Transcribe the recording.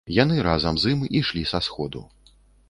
Яны разам з ім ішлі са сходу.